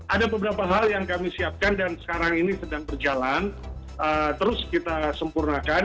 ada beberapa hal yang kami siapkan dan sekarang ini sedang berjalan terus kita sempurnakan